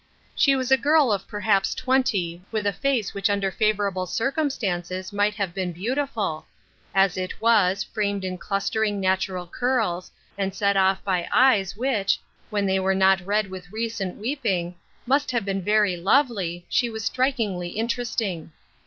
She was a girl of perhaps twenty, with a face which under favorable circumstances might have been beauti ful ; as it was, framed in clustering, natural curls, and set off by eyes which, when they were not red with recent weeping, must have been very lovely, she was strikingly interesting.